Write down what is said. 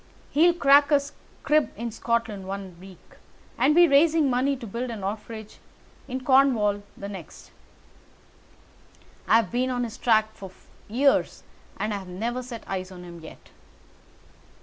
He'll crack a crib in Scotland one week, and be raising money to build an orphanage in Cornwall the next. I've been on his track for years and have never set eyes on him yet."